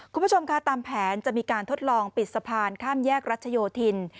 คุณผู้ชมค่ะตามแผนจะมีการทดลองปิดสะพานข้ามแยกรัชโยธิน